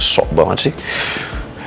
sok banget sih